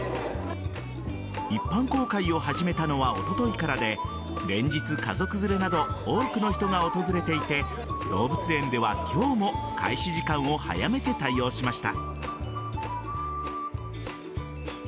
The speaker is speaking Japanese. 一般公開を始めたのはおとといからで連日、家族連れなど多くの人が訪れていて動物園では今日も開始時間を早めて対応しました。